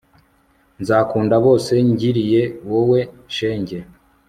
nzakunda bose ngiriye wowe shenge